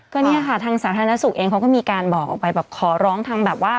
ก็เนี่ยค่ะทางสาธารณสุขเองเขาก็มีการบอกออกไปแบบขอร้องทางแบบว่า